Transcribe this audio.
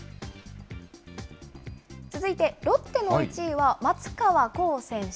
続いて、ロッテの１位は松川虎生選手。